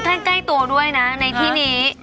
ใกล้ใกล้ตัวด้วยนะในที่นี้